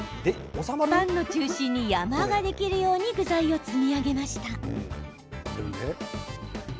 パンの中心に山ができるように具材を積み上げました。